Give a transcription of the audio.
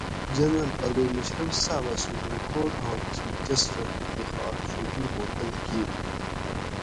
جنرل پرویز مشرف صاۤبہ سپریم کورٹاں چیف جسٹس افتخار چوہدری معطل کیت